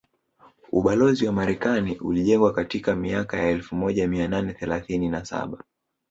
Ubalozi wa Marekani ulijengwa katika miaka ya elfu moja mia nane thelathini na saba